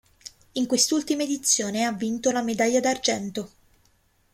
In quest'ultima edizione ha vinto la medaglia d'argento.